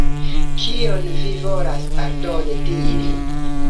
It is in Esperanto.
Kion vi volas aldone diri?